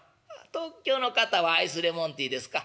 「東京の方はアイスレモンティーですか。